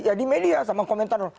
ya di media sama komentar